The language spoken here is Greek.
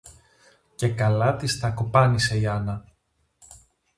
Και καλά της τα κοπάνισε η Άννα!